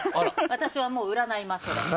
私はもう占いますから。